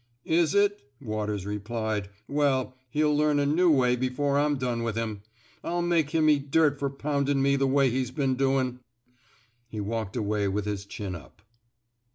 '' Is it? " Waters repUed. '' Well, he'U learn a new way before I'm done with him. I'll make him eat dirt fer poundin' me the way he's been doin'." He walked away with his chin up.